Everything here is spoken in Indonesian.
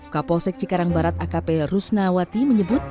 kapolsek cikarang barat akp rusnawati menyebut